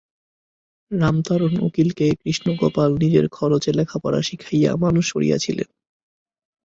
রামতারণ উকিলকে কৃষ্ণগোপাল নিজের খরচে লেখাপড়া শিখাইয়া মানুষ করিয়াছিলেন।